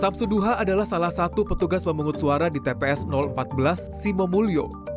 samsuduha adalah salah satu petugas pemungut suara di tps empat belas simomulyo